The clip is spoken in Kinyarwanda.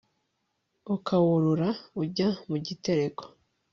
ukawurura ujya mu gitereko